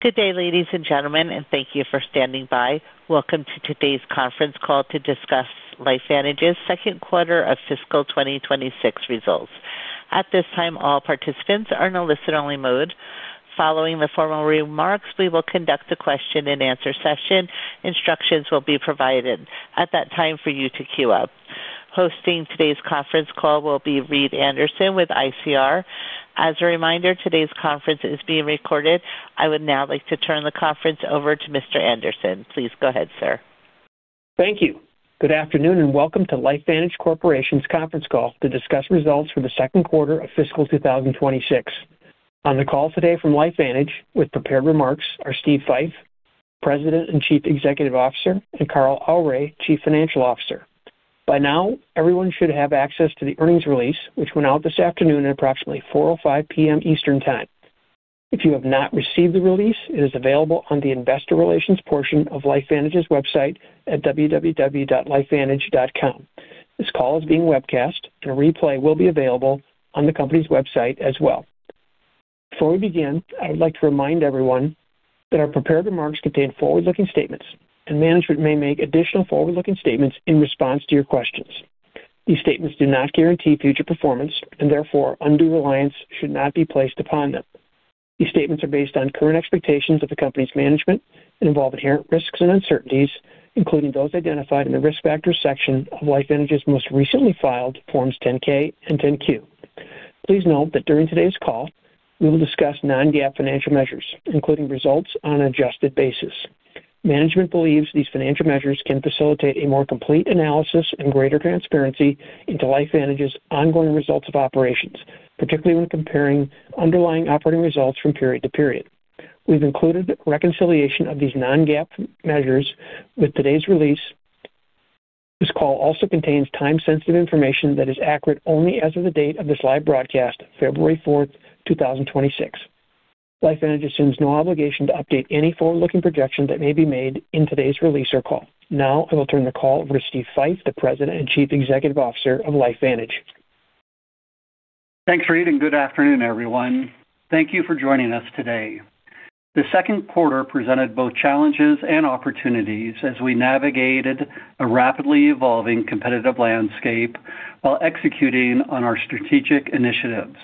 Good day, ladies and gentlemen, and thank you for standing by. Welcome to today's conference call to discuss LifeVantage's Second Quarter of Fiscal 2026 Results. At this time, all participants are in a listen-only mode. Following the formal remarks, we will conduct a question-and-answer session. Instructions will be provided at that time for you to queue up. Hosting today's conference call will be Reed Anderson with ICR. As a reminder, today's conference is being recorded. I would now like to turn the conference over to Mr. Anderson. Please go ahead, sir. Thank you. Good afternoon and welcome to LifeVantage Corporation's conference call to discuss results for the second quarter of fiscal 2026. On the call today from LifeVantage, with prepared remarks, are Steve Fife, President and Chief Executive Officer, and Carl Aure, Chief Financial Officer. By now, everyone should have access to the earnings release, which went out this afternoon at approximately 4:05 P.M. Eastern Time. If you have not received the release, it is available on the Investor Relations portion of LifeVantage's website at www.lifevantage.com. This call is being webcast, and a replay will be available on the company's website as well. Before we begin, I would like to remind everyone that our prepared remarks contain forward-looking statements, and management may make additional forward-looking statements in response to your questions. These statements do not guarantee future performance and, therefore, undue reliance should not be placed upon them. These statements are based on current expectations of the company's management and involve inherent risks and uncertainties, including those identified in the Risk Factors section of LifeVantage's most recently filed Forms 10-K and 10-Q. Please note that during today's call, we will discuss non-GAAP financial measures, including results on an adjusted basis. Management believes these financial measures can facilitate a more complete analysis and greater transparency into LifeVantage's ongoing results of operations, particularly when comparing underlying operating results from period to period. We've included reconciliation of these non-GAAP measures with today's release. This call also contains time-sensitive information that is accurate only as of the date of this live broadcast, February 4, 2026. LifeVantage assumes no obligation to update any forward-looking projection that may be made in today's release or call. Now I will turn the call over to Steve Fife, the President and Chief Executive Officer of LifeVantage. Thanks, Reed, and good afternoon, everyone. Thank you for joining us today. The second quarter presented both challenges and opportunities as we navigated a rapidly evolving competitive landscape while executing on our strategic initiatives.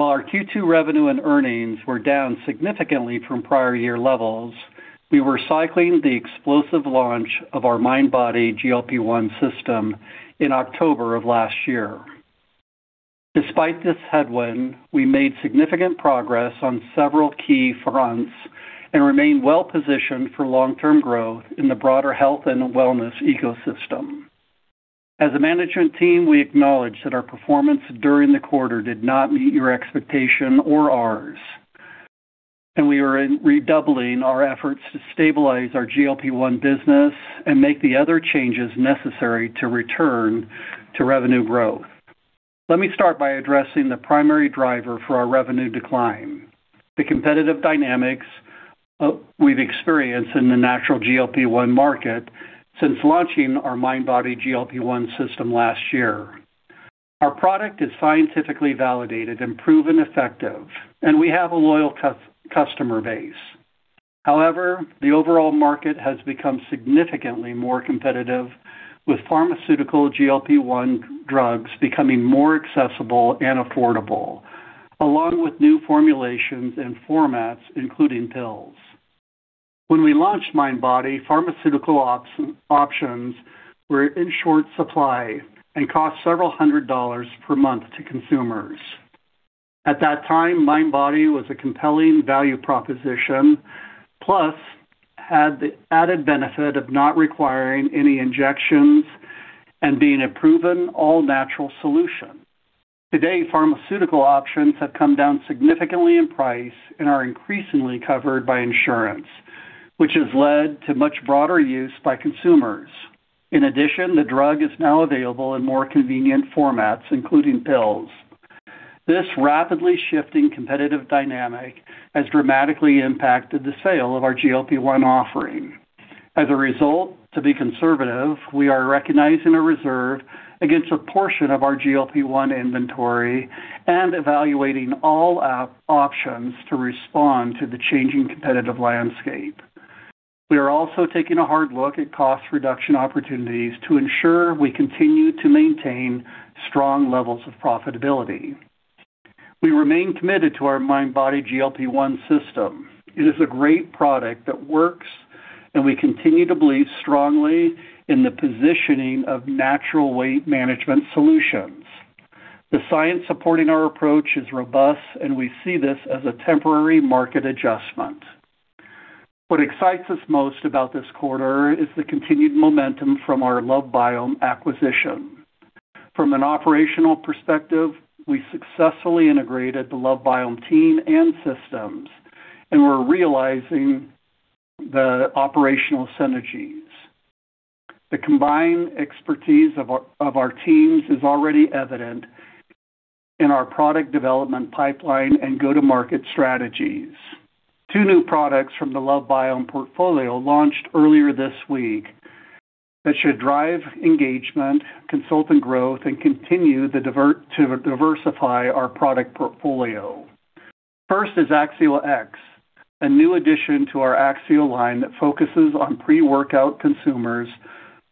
While our Q2 revenue and earnings were down significantly from prior year levels, we were cycling the explosive launch of our MindBody GLP-1 System in October of last year. Despite this headwind, we made significant progress on several key fronts and remain well-positioned for long-term growth in the broader health and wellness ecosystem. As a management team, we acknowledge that our performance during the quarter did not meet your expectation or ours, and we are redoubling our efforts to stabilize our GLP-1 business and make the other changes necessary to return to revenue growth. Let me start by addressing the primary driver for our revenue decline: the competitive dynamics we've experienced in the natural GLP-1 market since launching our MindBody GLP-1 System last year. Our product is scientifically validated and proven effective, and we have a loyal customer base. However, the overall market has become significantly more competitive, with pharmaceutical GLP-1 drugs becoming more accessible and affordable, along with new formulations and formats, including pills. When we launched MindBody, pharmaceutical options were in short supply and cost $several hundred per month to consumers. At that time, MindBody was a compelling value proposition, plus had the added benefit of not requiring any injections and being a proven all-natural solution. Today, pharmaceutical options have come down significantly in price and are increasingly covered by insurance, which has led to much broader use by consumers. In addition, the drug is now available in more convenient formats, including pills. This rapidly shifting competitive dynamic has dramatically impacted the sale of our GLP-1 offering. As a result, to be conservative, we are recognizing a reserve against a portion of our GLP-1 inventory and evaluating all options to respond to the changing competitive landscape. We are also taking a hard look at cost reduction opportunities to ensure we continue to maintain strong levels of profitability. We remain committed to our MindBody GLP-1 System. It is a great product that works, and we continue to believe strongly in the positioning of natural weight management solutions. The science supporting our approach is robust, and we see this as a temporary market adjustment. What excites us most about this quarter is the continued momentum from our LoveBiome acquisition. From an operational perspective, we successfully integrated the LoveBiome team and systems and were realizing the operational synergies. The combined expertise of our teams is already evident in our product development pipeline and go-to-market strategies. Two new products from the LoveBiome portfolio launched earlier this week that should drive engagement, consultant growth, and continue to diversify our product portfolio. First is AXIO X, a new addition to our AXIO line that focuses on pre-workout consumers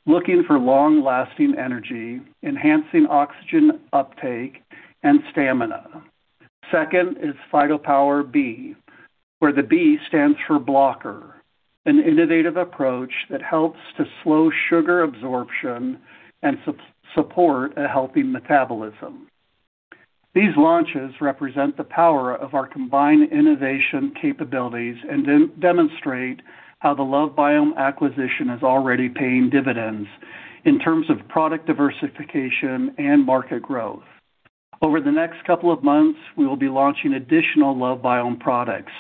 looking for long-lasting energy, enhancing oxygen uptake, and stamina. Second is PhytoPower B, where the B stands for blocker, an innovative approach that helps to slow sugar absorption and support a healthy metabolism. These launches represent the power of our combined innovation capabilities and demonstrate how the LoveBiome acquisition is already paying dividends in terms of product diversification and market growth. Over the next couple of months, we will be launching additional LoveBiome products,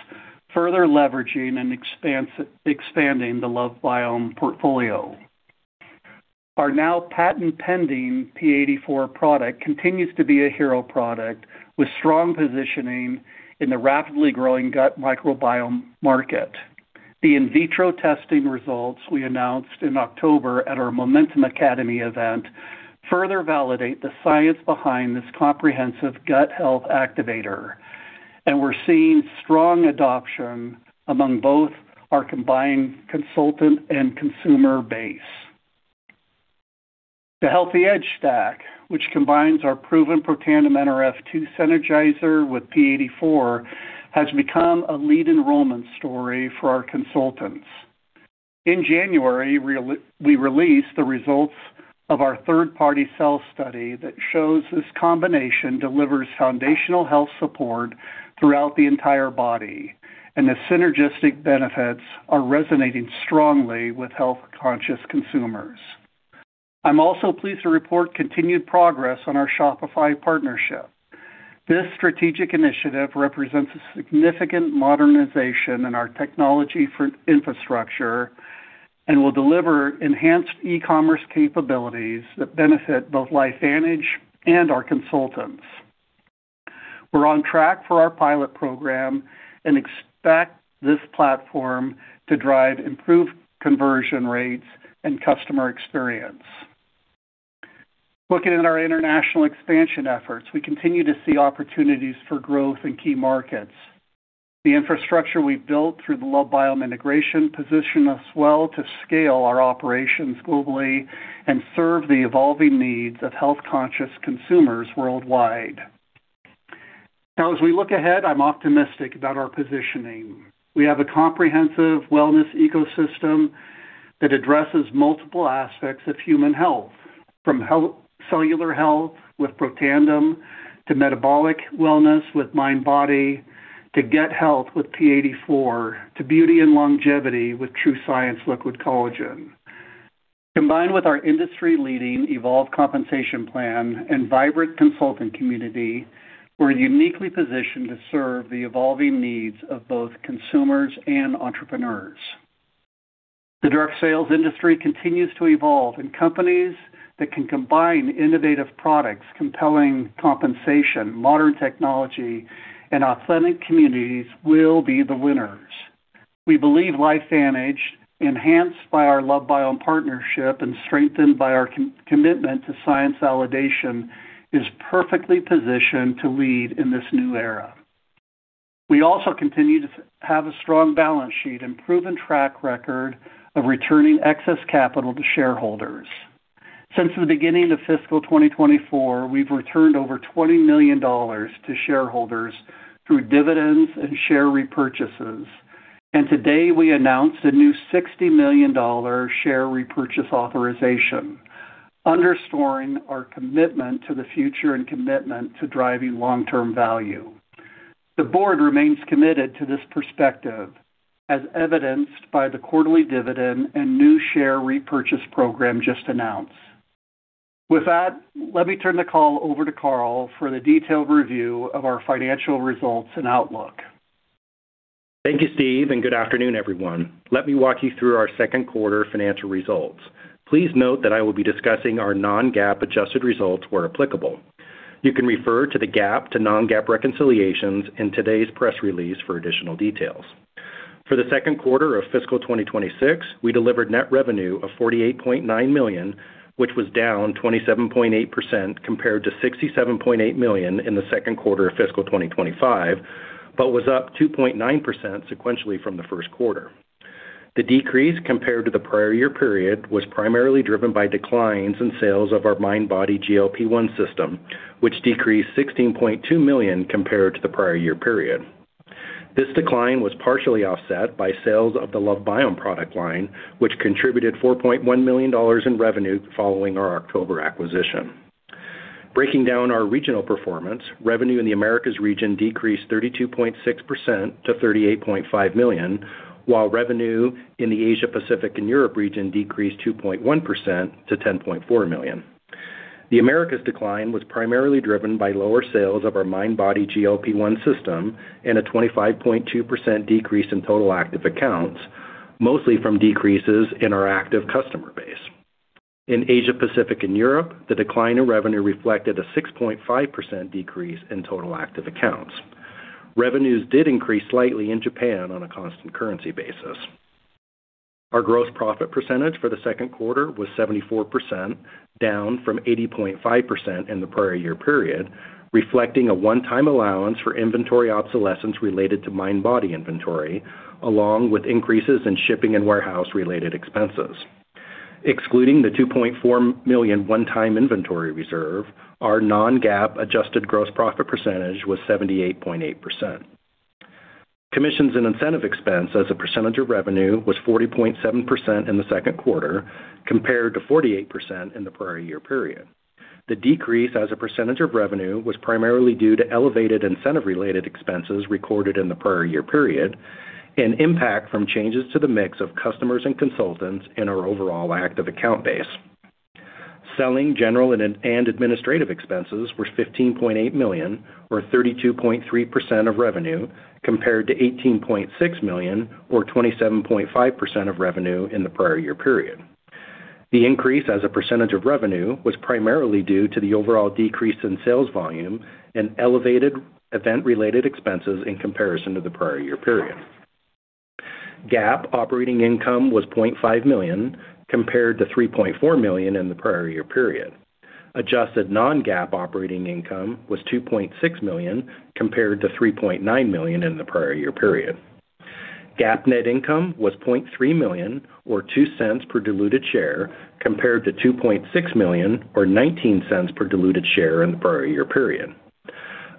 further leveraging and expanding the LoveBiome portfolio. Our now patent-pending P84 product continues to be a hero product with strong positioning in the rapidly growing gut microbiome market. The in vitro testing results we announced in October at our Momentum Academy event further validate the science behind this comprehensive gut health activator, and we're seeing strong adoption among both our combined consultant and consumer base. The Healthy Edge Stack, which combines our proven Protandim Nrf2 Synergizer with P84, has become a lead enrollment story for our consultants. In January, we released the results of our third-party cell study that shows this combination delivers foundational health support throughout the entire body, and the synergistic benefits are resonating strongly with health-conscious consumers. I'm also pleased to report continued progress on our Shopify partnership. This strategic initiative represents a significant modernization in our technology infrastructure and will deliver enhanced e-commerce capabilities that benefit both LifeVantage and our consultants. We're on track for our pilot program and expect this platform to drive improved conversion rates and customer experience. Looking at our international expansion efforts, we continue to see opportunities for growth in key markets. The infrastructure we've built through the LoveBiome integration positions us well to scale our operations globally and serve the evolving needs of health-conscious consumers worldwide. Now, as we look ahead, I'm optimistic about our positioning. We have a comprehensive wellness ecosystem that addresses multiple aspects of human health, from cellular health with Protandim to metabolic wellness with MindBody to gut health with P84 to beauty and longevity with TrueScience Liquid Collagen. Combined with our industry-leading Evolve Compensation Plan and vibrant consultant community, we're uniquely positioned to serve the evolving needs of both consumers and entrepreneurs. The direct sales industry continues to evolve, and companies that can combine innovative products, compelling compensation, modern technology, and authentic communities will be the winners. We believe LifeVantage, enhanced by our LoveBiome partnership and strengthened by our commitment to science validation, is perfectly positioned to lead in this new era. We also continue to have a strong balance sheet and proven track record of returning excess capital to shareholders. Since the beginning of fiscal 2024, we've returned over $20 million to shareholders through dividends and share repurchases, and today we announced a new $60 million share repurchase authorization, underscoring our commitment to the future and commitment to driving long-term value. The board remains committed to this perspective, as evidenced by the quarterly dividend and new share repurchase program just announced. With that, let me turn the call over to Carl for the detailed review of our financial results and outlook. Thank you, Steve, and good afternoon, everyone. Let me walk you through our second quarter financial results. Please note that I will be discussing our non-GAAP adjusted results where applicable. You can refer to the GAAP to non-GAAP reconciliations in today's press release for additional details. For the second quarter of fiscal 2026, we delivered net revenue of $48.9 million, which was down 27.8% compared to $67.8 million in the second quarter of fiscal 2025 but was up 2.9% sequentially from the first quarter. The decrease compared to the prior year period was primarily driven by declines in sales of our MindBody GLP-1 System, which decreased $16.2 million compared to the prior year period. This decline was partially offset by sales of the LoveBiome product line, which contributed $4.1 million in revenue following our October acquisition. Breaking down our regional performance, revenue in the Americas region decreased 32.6% to $38.5 million, while revenue in the Asia-Pacific and Europe region decreased 2.1% to $10.4 million. The Americas decline was primarily driven by lower sales of our MindBody GLP-1 System and a 25.2% decrease in total active accounts, mostly from decreases in our active customer base. In Asia-Pacific and Europe, the decline in revenue reflected a 6.5% decrease in total active accounts. Revenues did increase slightly in Japan on a constant currency basis. Our gross profit percentage for the second quarter was 74%, down from 80.5% in the prior year period, reflecting a one-time allowance for inventory obsolescence related to MindBody inventory, along with increases in shipping and warehouse-related expenses. Excluding the $2.4 million one-time inventory reserve, our non-GAAP adjusted gross profit percentage was 78.8%. Commissions and incentive expense as a percentage of revenue was 40.7% in the second quarter compared to 48% in the prior year period. The decrease as a percentage of revenue was primarily due to elevated incentive-related expenses recorded in the prior year period and impact from changes to the mix of customers and consultants in our overall active account base. Selling general and administrative expenses were $15.8 million, or 32.3% of revenue, compared to $18.6 million, or 27.5% of revenue in the prior year period. The increase as a percentage of revenue was primarily due to the overall decrease in sales volume and elevated event-related expenses in comparison to the prior year period. GAAP operating income was $0.5 million compared to $3.4 million in the prior year period. Adjusted non-GAAP operating income was $2.6 million compared to $3.9 million in the prior year period. GAAP net income was $0.3 million, or $0.02 per diluted share, compared to $2.6 million, or $0.19 per diluted share in the prior year period.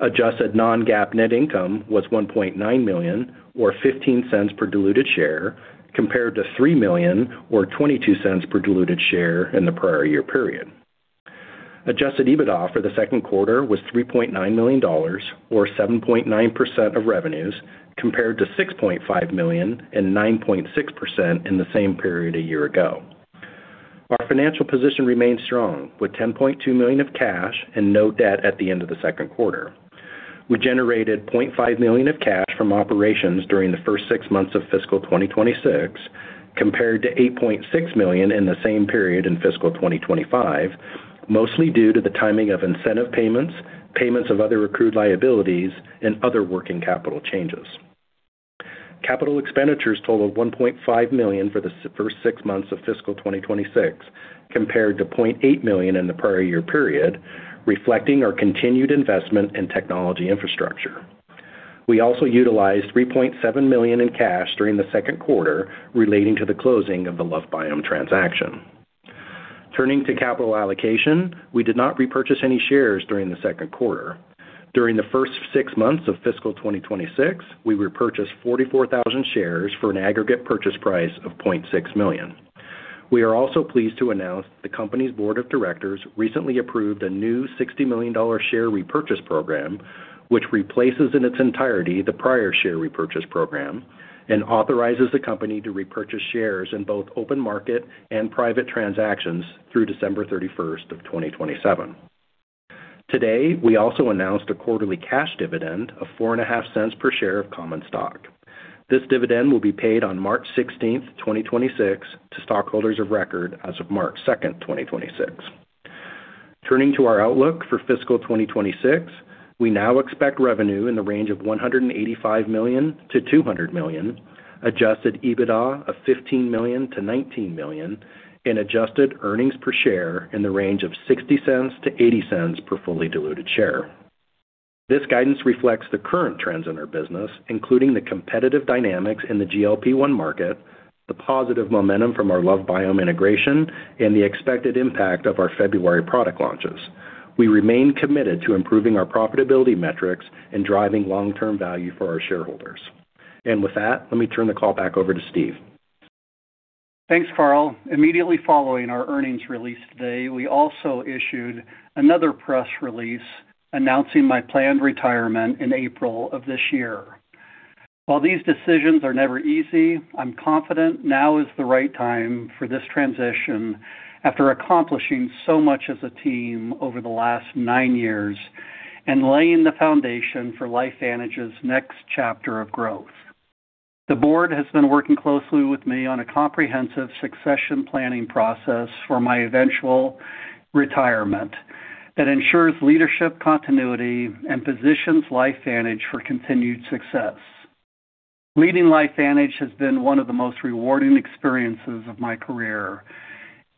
Adjusted non-GAAP net income was $1.9 million, or $0.15 per diluted share, compared to $3 million, or $0.22 per diluted share in the prior year period. Adjusted EBITDA for the second quarter was $3.9 million, or 7.9% of revenues, compared to $6.5 million and 9.6% in the same period a year ago. Our financial position remained strong, with $10.2 million of cash and no debt at the end of the second quarter. We generated $0.5 million of cash from operations during the first six months of fiscal 2026, compared to $8.6 million in the same period in fiscal 2025, mostly due to the timing of incentive payments, payments of other accrued liabilities, and other working capital changes. Capital expenditures totaled $1.5 million for the first six months of fiscal 2026, compared to $0.8 million in the prior year period, reflecting our continued investment in technology infrastructure. We also utilized $3.7 million in cash during the second quarter relating to the closing of the LoveBiome transaction. Turning to capital allocation, we did not repurchase any shares during the second quarter. During the first six months of fiscal 2026, we repurchased 44,000 shares for an aggregate purchase price of $0.6 million. We are also pleased to announce that the company's board of directors recently approved a new $60 million share repurchase program, which replaces in its entirety the prior share repurchase program and authorizes the company to repurchase shares in both open market and private transactions through December 31st of 2027. Today, we also announced a quarterly cash dividend of $0.045 per share of common stock. This dividend will be paid on March 16th, 2026, to stockholders of record as of March 2nd, 2026. Turning to our outlook for fiscal 2026, we now expect revenue in the range of $185 million-$200 million, Adjusted EBITDA of $15 million-$19 million, and adjusted earnings per share in the range of $0.60-$0.80 per fully diluted share. This guidance reflects the current trends in our business, including the competitive dynamics in the GLP-1 market, the positive momentum from our LoveBiome integration, and the expected impact of our February product launches. We remain committed to improving our profitability metrics and driving long-term value for our shareholders. And with that, let me turn the call back over to Steve. Thanks, Carl. Immediately following our earnings release today, we also issued another press release announcing my planned retirement in April of this year. While these decisions are never easy, I'm confident now is the right time for this transition after accomplishing so much as a team over the last nine years and laying the foundation for LifeVantage's next chapter of growth. The board has been working closely with me on a comprehensive succession planning process for my eventual retirement that ensures leadership continuity and positions LifeVantage for continued success. Leading LifeVantage has been one of the most rewarding experiences of my career,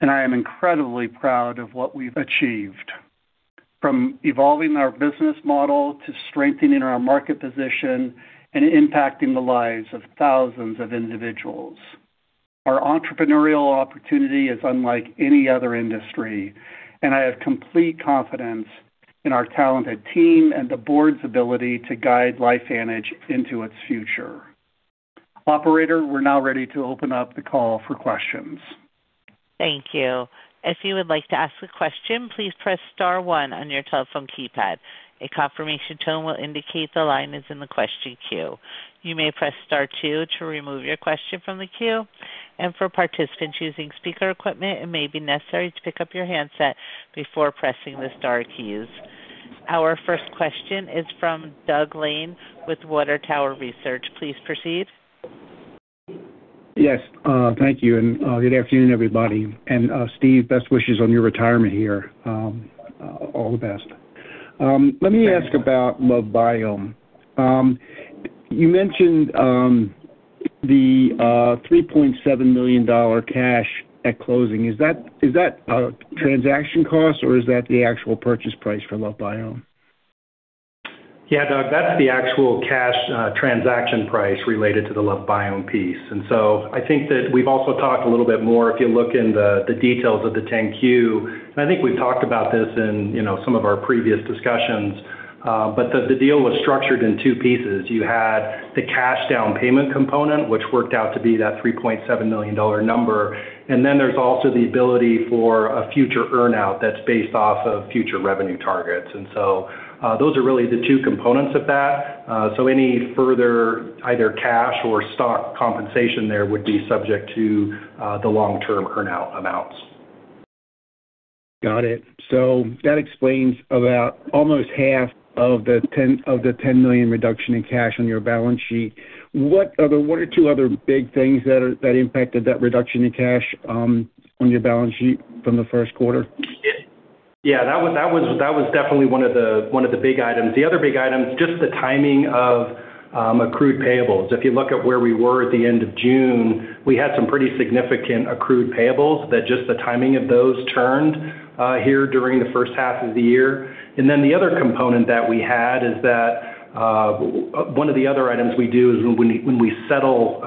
and I am incredibly proud of what we've achieved, from evolving our business model to strengthening our market position and impacting the lives of thousands of individuals. Our entrepreneurial opportunity is unlike any other industry, and I have complete confidence in our talented team and the board's ability to guide LifeVantage into its future. Operator, we're now ready to open up the call for questions. Thank you. If you would like to ask a question, please press star one on your telephone keypad. A confirmation tone will indicate the line is in the question queue. You may press star two to remove your question from the queue. And for participants using speaker equipment, it may be necessary to pick up your handset before pressing the star keys. Our first question is from Doug Lane with Water Tower Research. Please proceed. Yes. Thank you. Good afternoon, everybody. Steve, best wishes on your retirement here. All the best. Let me ask about LoveBiome. You mentioned the $3.7 million cash at closing. Is that a transaction cost, or is that the actual purchase price for LoveBiome? Yeah, Doug, that's the actual cash transaction price related to the LoveBiome piece. And so I think that we've also talked a little bit more if you look in the details of the 10-Q. And I think we've talked about this in some of our previous discussions. But the deal was structured in two pieces. You had the cash down payment component, which worked out to be that $3.7 million number. And then there's also the ability for a future earnout that's based off of future revenue targets. And so those are really the two components of that. So any further either cash or stock compensation there would be subject to the long-term earnout amounts. Got it. So that explains about almost half of the $10 million reduction in cash on your balance sheet. What are the one or two other big things that impacted that reduction in cash on your balance sheet from the first quarter? Yeah, that was definitely one of the big items. The other big items, just the timing of accrued payables. If you look at where we were at the end of June, we had some pretty significant accrued payables that just the timing of those turned here during the first half of the year. And then the other component that we had is that one of the other items we do is when we settle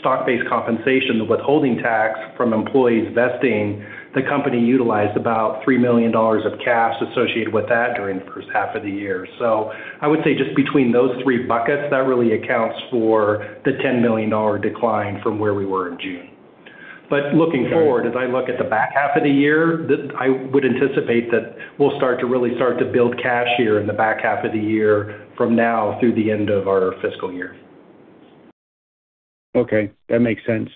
stock-based compensation, the withholding tax from employees vesting, the company utilized about $3 million of cash associated with that during the first half of the year. So I would say just between those three buckets, that really accounts for the $10 million decline from where we were in June. Looking forward, as I look at the back half of the year, I would anticipate that we'll start to really start to build cash here in the back half of the year from now through the end of our fiscal year. Okay. That makes sense.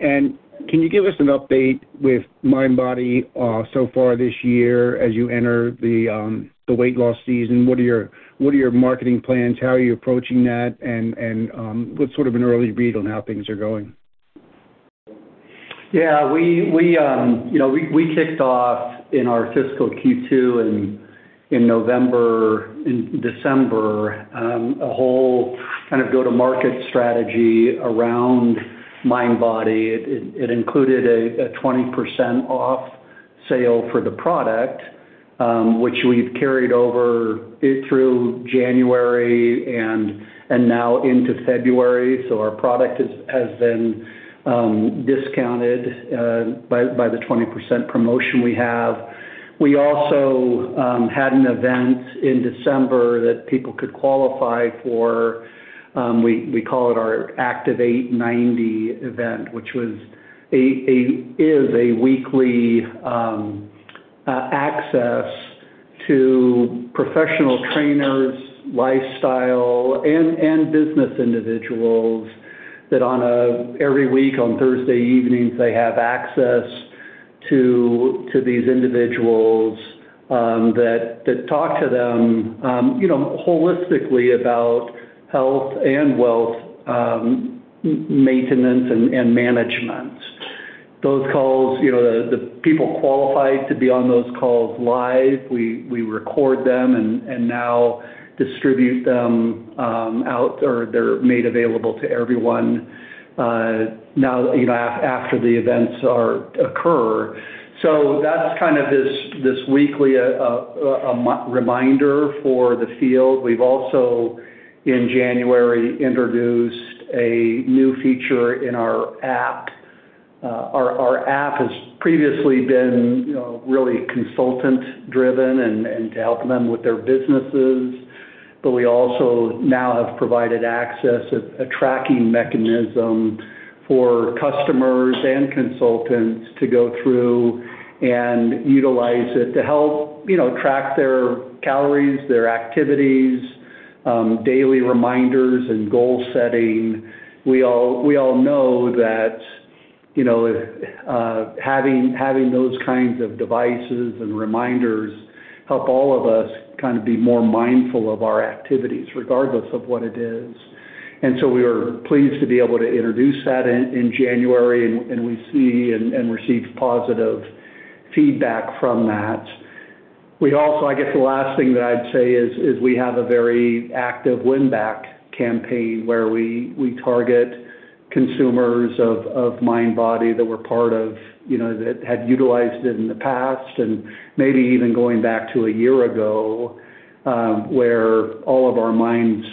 And can you give us an update with MindBody so far this year as you enter the weight loss season? What are your marketing plans? How are you approaching that? And what's sort of an early read on how things are going? Yeah, we kicked off in our fiscal Q2 in November and December a whole kind of go-to-market strategy around MindBody. It included a 20% off sale for the product, which we've carried over through January and now into February. So our product has been discounted by the 20% promotion we have. We also had an event in December that people could qualify for. We call it our Activate90 event, which is a weekly access to professional trainers, lifestyle, and business individuals that every week on Thursday evenings, they have access to these individuals that talk to them holistically about health and wealth maintenance and management. The people qualified to be on those calls live, we record them and now distribute them out, or they're made available to everyone now after the events occur. So that's kind of this weekly reminder for the field. We've also, in January, introduced a new feature in our app. Our app has previously been really consultant-driven and to help them with their businesses. But we also now have provided access, a tracking mechanism for customers and consultants to go through and utilize it to help track their calories, their activities, daily reminders, and goal setting. We all know that having those kinds of devices and reminders help all of us kind of be more mindful of our activities, regardless of what it is. And so we were pleased to be able to introduce that in January, and we see and receive positive feedback from that. I guess the last thing that I'd say is we have a very active win-back campaign where we target consumers of MindBody that were part of that had utilized it in the past and maybe even going back to a year ago where all of our minds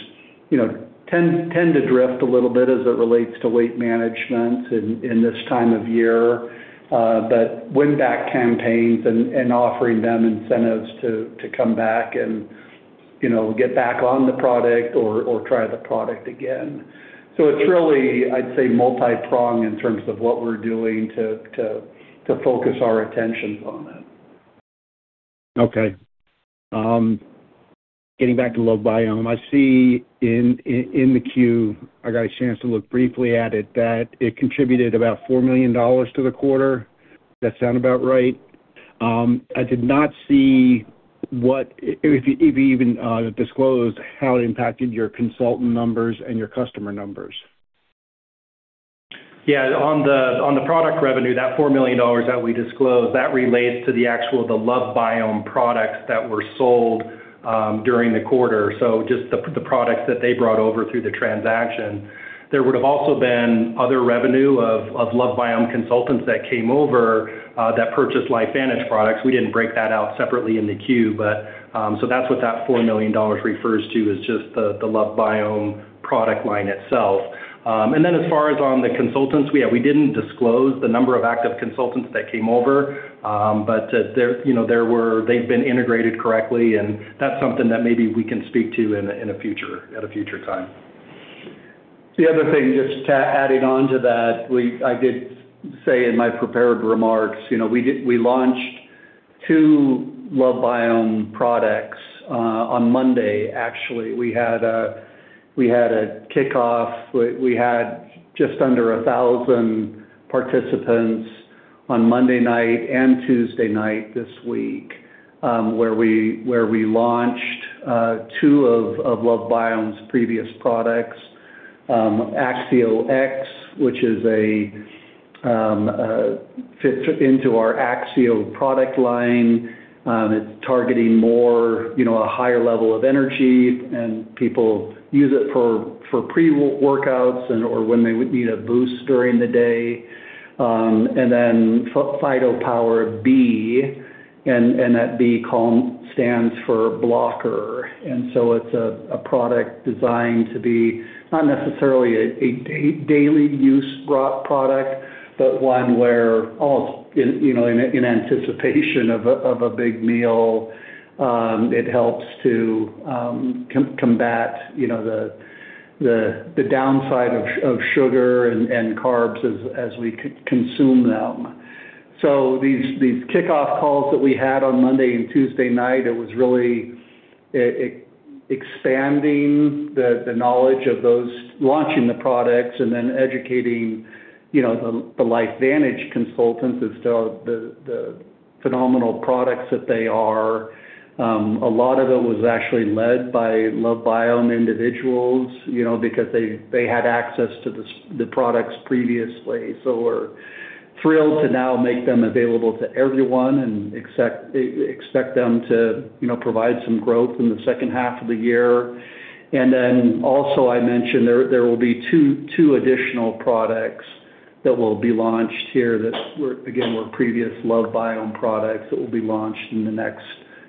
tend to drift a little bit as it relates to weight management in this time of year. But win-back campaigns and offering them incentives to come back and get back on the product or try the product again. So it's really, I'd say, multi-pronged in terms of what we're doing to focus our attentions on it. Okay. Getting back to LoveBiome, I see in the queue I got a chance to look briefly at it, that it contributed about $4 million to the quarter. Does that sound about right? I did not see what, if you even disclose, how it impacted your consultant numbers and your customer numbers. Yeah. On the product revenue, that $4 million that we disclosed, that relates to the actual LoveBiome products that were sold during the quarter. So just the products that they brought over through the transaction. There would have also been other revenue of LoveBiome consultants that came over that purchased LifeVantage products. We didn't break that out separately in the Q. So that's what that $4 million refers to, is just the LoveBiome product line itself. And then as far as on the consultants, yeah, we didn't disclose the number of active consultants that came over. But they've been integrated correctly, and that's something that maybe we can speak to at a future time. The other thing, just adding on to that, I did say in my prepared remarks, we launched two LoveBiome products on Monday, actually. We had a kickoff. We had just under 1,000 participants on Monday night and Tuesday night this week where we launched two of LoveBiome's previous products, AXIO X, which fits into our AXIO product line. It's targeting a higher level of energy, and people use it for pre-workouts or when they would need a boost during the day. And then PhytoPower B, and that B stands for blocker. And so it's a product designed to be not necessarily a daily-use product, but one where almost in anticipation of a big meal, it helps to combat the downside of sugar and carbs as we consume them. So these kickoff calls that we had on Monday and Tuesday night, it was really expanding the knowledge of those launching the products and then educating the LifeVantage consultants as to the phenomenal products that they are. A lot of it was actually led by LoveBiome individuals because they had access to the products previously. So we're thrilled to now make them available to everyone and expect them to provide some growth in the second half of the year. And then also, I mentioned there will be two additional products that will be launched here that, again, were previous LoveBiome products that will be launched in the next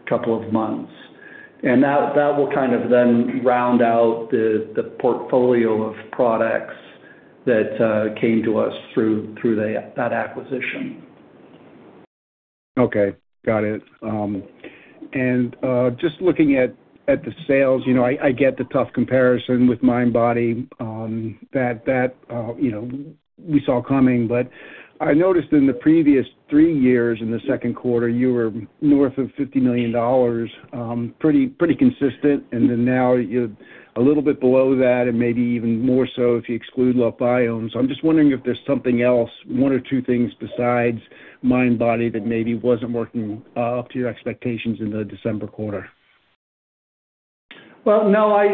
couple of months. And that will kind of then round out the portfolio of products that came to us through that acquisition. Okay. Got it. Just looking at the sales, I get the tough comparison with MindBody that we saw coming. But I noticed in the previous three years in the second quarter, you were north of $50 million, pretty consistent. Then now you're a little bit below that and maybe even more so if you exclude LoveBiome. So I'm just wondering if there's something else, one or two things besides MindBody that maybe wasn't working up to your expectations in the December quarter. Well, no, I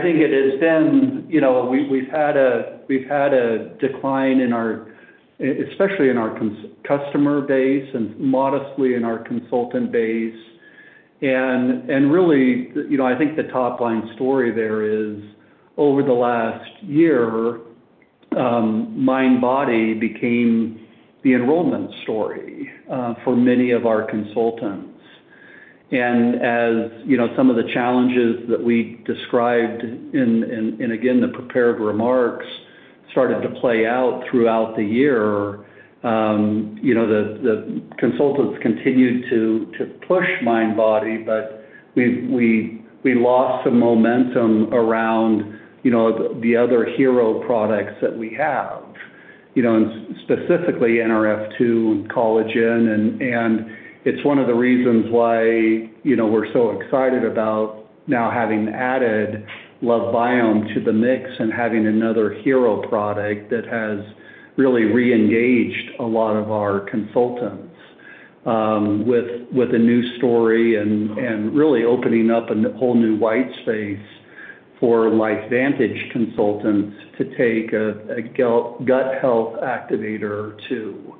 think it has been. We've had a decline in our especially in our customer base and modestly in our consultant base. And really, I think the top-line story there is over the last year, MindBody became the enrollment story for many of our consultants. And as some of the challenges that we described and, again, the prepared remarks started to play out throughout the year, the consultants continued to push MindBody, but we lost some momentum around the other hero products that we have, specifically Nrf2 and Collagen. And it's one of the reasons why we're so excited about now having added LoveBiome to the mix and having another hero product that has really reengaged a lot of our consultants with a new story and really opening up a whole new white space for LifeVantage consultants to take a gut health activator too.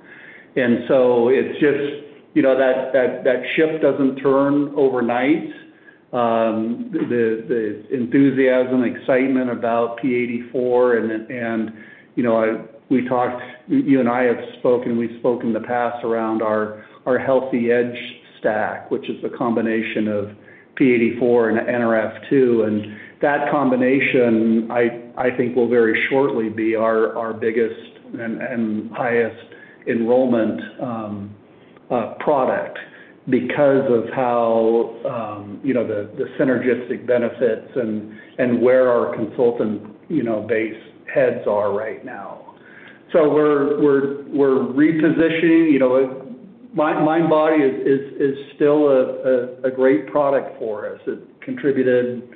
And so it's just that shift doesn't turn overnight. The enthusiasm, excitement about P84, and we've talked, you and I have spoken, we've spoken in the past around our Healthy Edge Stack, which is a combination of P84 and Nrf2. And that combination, I think, will very shortly be our biggest and highest enrollment product because of how the synergistic benefits and where our consultant base heads are right now. So we're repositioning. MindBody is still a great product for us. It contributed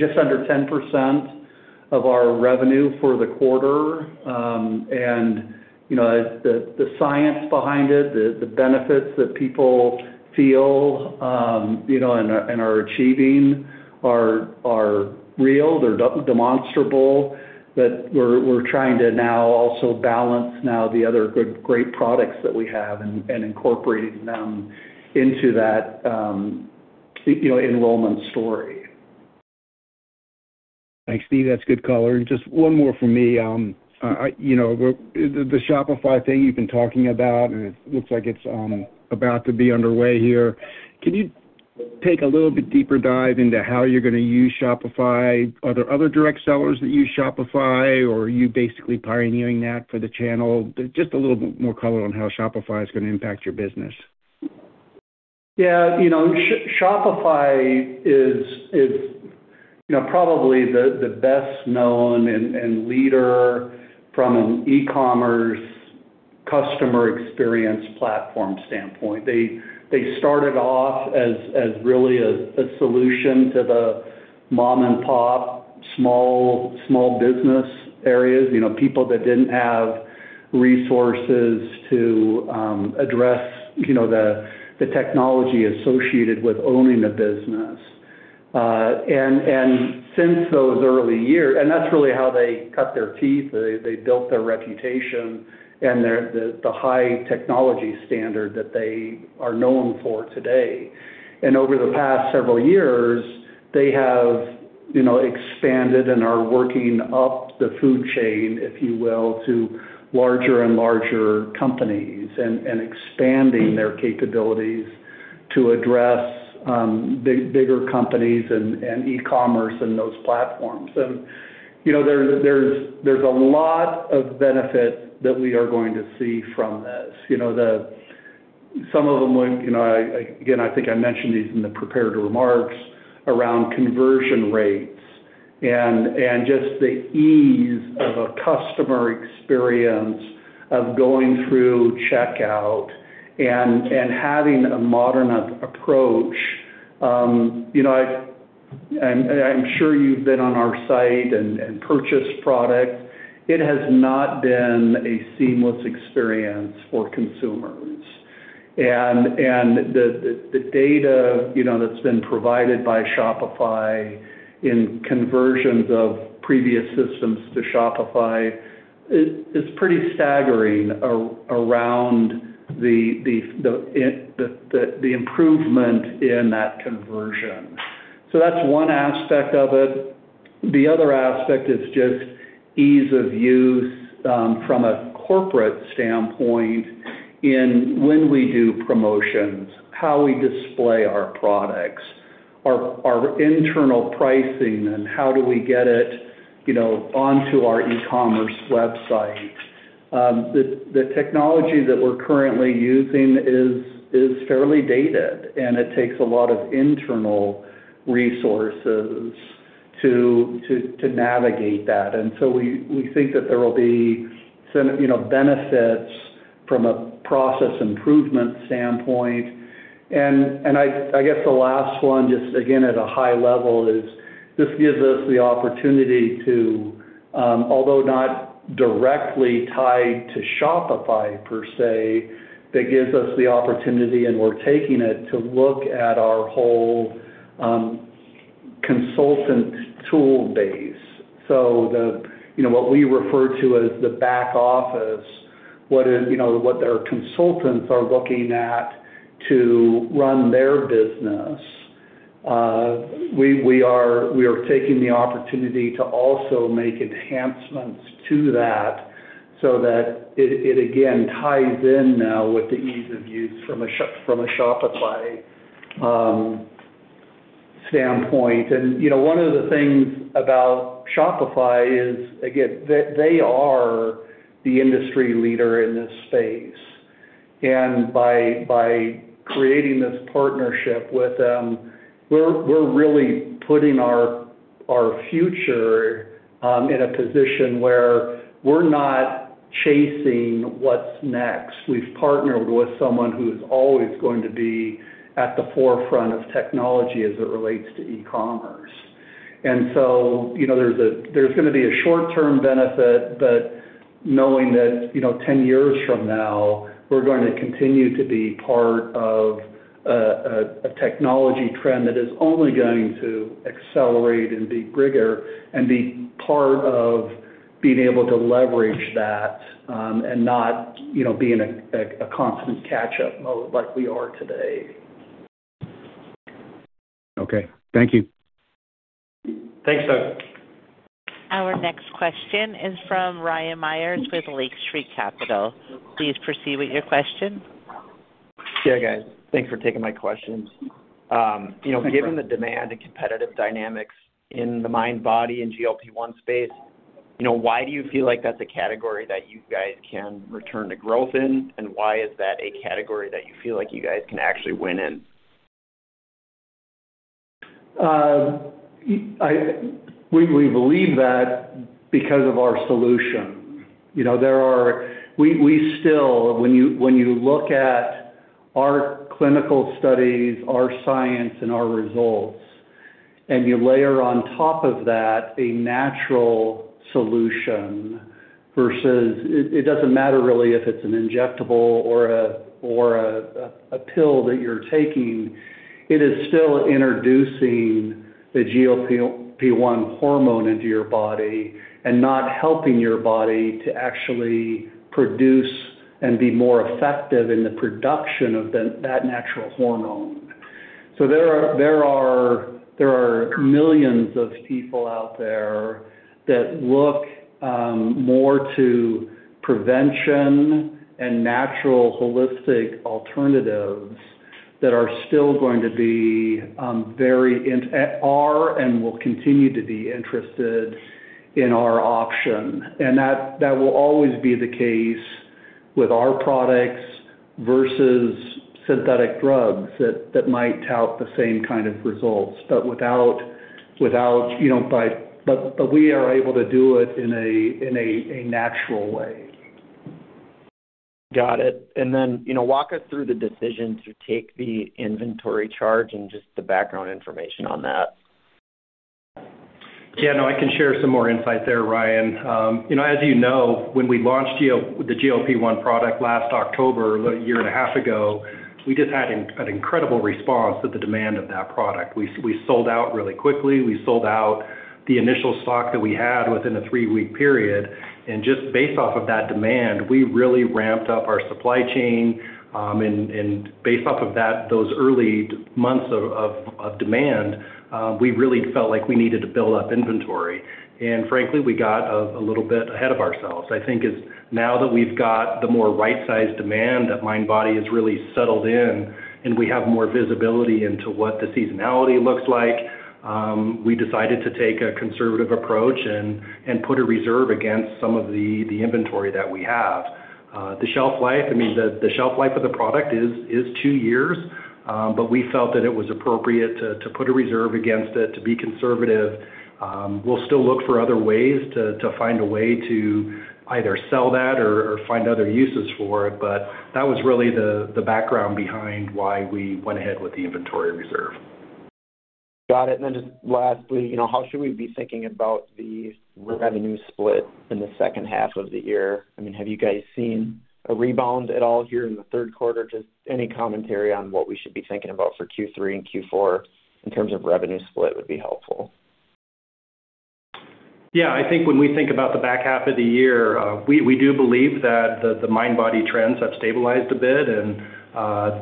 just under 10% of our revenue for the quarter. And the science behind it, the benefits that people feel and are achieving are real. They're demonstrable. But we're trying to now also balance the other great products that we have and incorporating them into that enrollment story. Thanks, Steve. That's a good call. Just one more from me. The Shopify thing you've been talking about, and it looks like it's about to be underway here. Can you take a little bit deeper dive into how you're going to use Shopify? Are there other direct sellers that use Shopify, or are you basically pioneering that for the channel? Just a little bit more color on how Shopify is going to impact your business. Yeah. Shopify is probably the best-known and leader from an e-commerce customer experience platform standpoint. They started off as really a solution to the mom-and-pop small business areas, people that didn't have resources to address the technology associated with owning a business. And since those early years and that's really how they cut their teeth. They built their reputation and the high technology standard that they are known for today. And over the past several years, they have expanded and are working up the food chain, if you will, to larger and larger companies and expanding their capabilities to address bigger companies and e-commerce and those platforms. And there's a lot of benefits that we are going to see from this. Some of them would again, I think I mentioned these in the prepared remarks around conversion rates and just the ease of a customer experience of going through checkout and having a modern approach. I'm sure you've been on our site and purchased products. It has not been a seamless experience for consumers. The data that's been provided by Shopify in conversions of previous systems to Shopify is pretty staggering around the improvement in that conversion. That's one aspect of it. The other aspect is just ease of use from a corporate standpoint in when we do promotions, how we display our products, our internal pricing, and how do we get it onto our e-commerce website. The technology that we're currently using is fairly dated, and it takes a lot of internal resources to navigate that. And so we think that there will be benefits from a process improvement standpoint. And I guess the last one, just again at a high level, is this gives us the opportunity to, although not directly tied to Shopify per se, that gives us the opportunity, and we're taking it, to look at our whole consultant toolbase. So what we refer to as the back office, what their consultants are looking at to run their business, we are taking the opportunity to also make enhancements to that so that it, again, ties in now with the ease of use from a Shopify standpoint. And one of the things about Shopify is, again, they are the industry leader in this space. And by creating this partnership with them, we're really putting our future in a position where we're not chasing what's next. We've partnered with someone who is always going to be at the forefront of technology as it relates to e-commerce. And so there's going to be a short-term benefit, but knowing that 10 years from now, we're going to continue to be part of a technology trend that is only going to accelerate and be bigger and be part of being able to leverage that and not be in a constant catch-up mode like we are today. Okay. Thank you. Thanks, Doug. Our next question is from Ryan Meyers with Lake Street Capital Markets. Please proceed with your question. Yeah, guys. Thanks for taking my questions. Given the demand and competitive dynamics in the MindBody and GLP-1 space, why do you feel like that's a category that you guys can return to growth in, and why is that a category that you feel like you guys can actually win in? We believe that because of our solution. We still, when you look at our clinical studies, our science, and our results, and you layer on top of that a natural solution versus it doesn't matter really if it's an injectable or a pill that you're taking. It is still introducing the GLP-1 hormone into your body and not helping your body to actually produce and be more effective in the production of that natural hormone. So there are millions of people out there that look more to prevention and natural holistic alternatives that are still going to be very rare and will continue to be interested in our option. And that will always be the case with our products versus synthetic drugs that might tout the same kind of results but without we are able to do it in a natural way. Got it. Then walk us through the decision to take the inventory charge and just the background information on that. Yeah. No, I can share some more insight there, Ryan. As you know, when we launched the GLP-1 product last October or a year and a half ago, we just had an incredible response to the demand of that product. We sold out really quickly. We sold out the initial stock that we had within a 3-week period. And just based off of that demand, we really ramped up our supply chain. And based off of that, those early months of demand, we really felt like we needed to build up inventory. And frankly, we got a little bit ahead of ourselves. I think now that we've got the more right-sized demand, that MindBody has really settled in, and we have more visibility into what the seasonality looks like, we decided to take a conservative approach and put a reserve against some of the inventory that we have. The shelf life, I mean, the shelf life of the product is two years, but we felt that it was appropriate to put a reserve against it, to be conservative. We'll still look for other ways to find a way to either sell that or find other uses for it. But that was really the background behind why we went ahead with the inventory reserve. Got it. And then just lastly, how should we be thinking about the revenue split in the second half of the year? I mean, have you guys seen a rebound at all here in the third quarter? Just any commentary on what we should be thinking about for Q3 and Q4 in terms of revenue split would be helpful. Yeah. I think when we think about the back half of the year, we do believe that the MindBody trends have stabilized a bit, and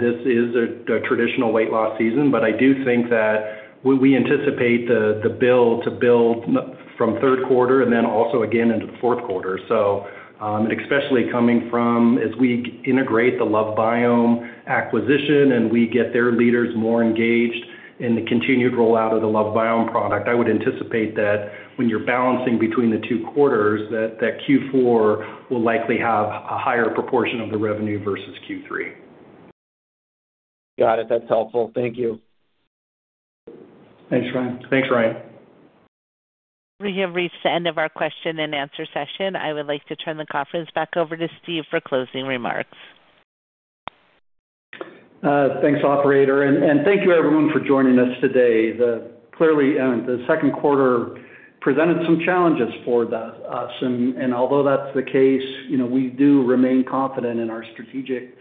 this is a traditional weight loss season. But I do think that we anticipate the build to build from third quarter and then also again into the fourth quarter. And especially coming from as we integrate the LoveBiome acquisition and we get their leaders more engaged in the continued rollout of the LoveBiome product, I would anticipate that when you're balancing between the two quarters, that Q4 will likely have a higher proportion of the revenue versus Q3. Got it. That's helpful. Thank you. Thanks, Ryan. Thanks, Ryan. We have reached the end of our question and answer session. I would like to turn the conference back over to Steve for closing remarks. Thanks, operator. Thank you, everyone, for joining us today. Clearly, the second quarter presented some challenges for us. Although that's the case, we do remain confident in our strategic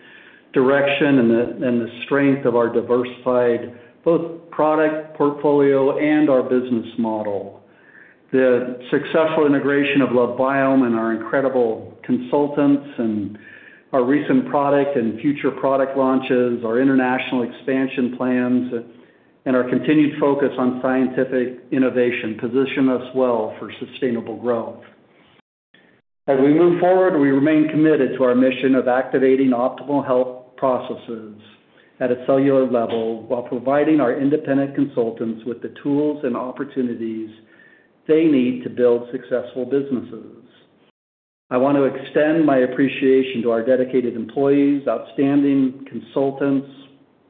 direction and the strength of our diversified both product portfolio and our business model. The successful integration of LoveBiome and our incredible consultants and our recent product and future product launches, our international expansion plans, and our continued focus on scientific innovation position us well for sustainable growth. As we move forward, we remain committed to our mission of activating optimal health processes at a cellular level while providing our independent consultants with the tools and opportunities they need to build successful businesses. I want to extend my appreciation to our dedicated employees, outstanding consultants,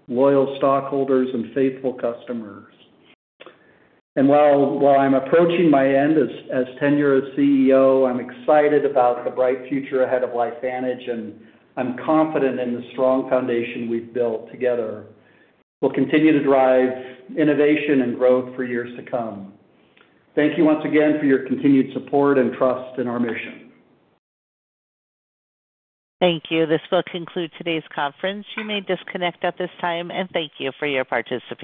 loyal stockholders, and faithful customers. While I'm approaching the end of my tenure as CEO, I'm excited about the bright future ahead of LifeVantage, and I'm confident in the strong foundation we've built together. We'll continue to drive innovation and growth for years to come. Thank you once again for your continued support and trust in our mission. Thank you. This will conclude today's conference. You may disconnect at this time, and thank you for your participation.